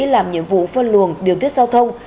làm nhiệm vụ phân luồng điều tiết giao thông